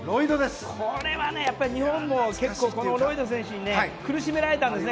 これはやっぱり日本も結構このロイド選手に苦しめられたんですね。